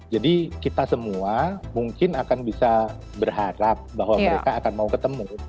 jadi kita semua mungkin akan bisa berharap bahwa mereka akan mau ketemu